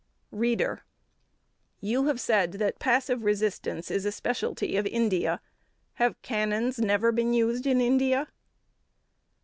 READER: You have said that passive resistance is a speciality of India. Have cannons never been used in India?